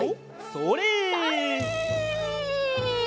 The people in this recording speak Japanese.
それ！